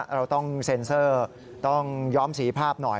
เราต้องเซ็นเซอร์ต้องย้อมสีภาพหน่อย